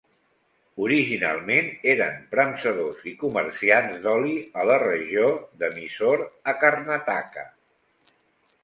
Originalment, eren premsadors i comerciants d'oli a la regió de Mysore a Karnataka.